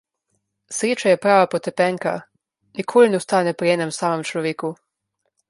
Sreča je prava potepenka; nikoli ne ostane pri enem samem človeku.